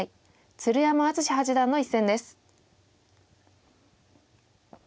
鶴山淳志八段の一戦です。